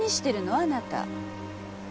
あなた。